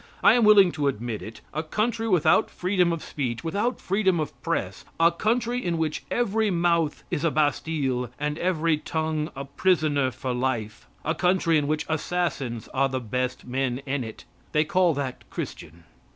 I am willing to admit it; a country without freedom of speech, without freedom of press a country in which every mouth is a Bastille and every tongue a prisoner for life a country in which assassins are the best men in it. They call that Christian.